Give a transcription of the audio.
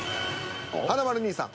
華丸兄さん。